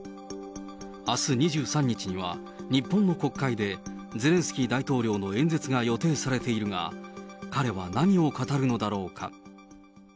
あす２３日には、日本の国会でゼレンスキー大統領の演説が予定されているが、彼は何を語るのだろうか。